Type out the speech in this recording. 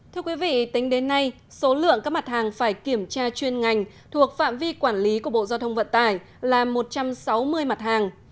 thưa quý vị tính đến nay số lượng các mặt hàng phải kiểm tra chuyên ngành thuộc phạm vi quản lý của bộ giao thông vận tải là một trăm sáu mươi mặt hàng